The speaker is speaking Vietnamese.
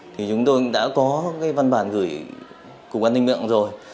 thì chúng tôi đã có cái văn bản gửi cục an ninh mạng rồi